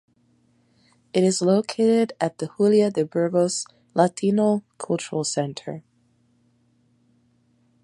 It is located at the Julia de Burgos Latino Cultural Center.